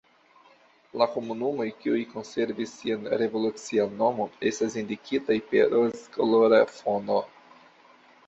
La komunumoj, kiuj konservis sian revolucian nomon estas indikitaj per rozkolora fono.